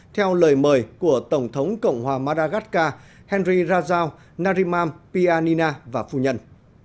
theo lời mời của tổng thống cộng hòa madagascar henry rajao narimam piyanina và phu nhân